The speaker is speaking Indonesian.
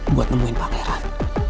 buat nemuin pangeran